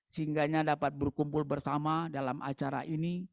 sehingganya dapat berkumpul bersama dalam acara ini